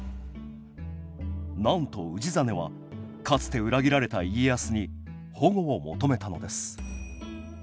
なんと氏真はかつて裏切られた家康に保護を求めたのです